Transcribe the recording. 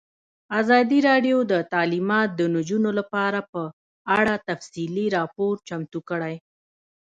ازادي راډیو د تعلیمات د نجونو لپاره په اړه تفصیلي راپور چمتو کړی.